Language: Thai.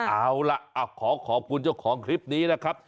เอาล่ะขอขอบคุณเจ้าของคลิปนี้นะครับ